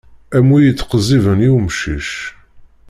Am wi ittqezziben i umcic.